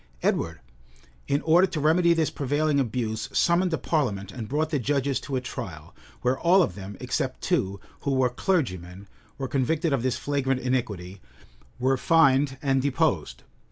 Edward, in order to remedy this prevailing abuse, summoned a parliament, and brought the judges to a trial; where all of them, except two, who were clergymen, were convicted of this flagrant iniquity, were fined, and deposed.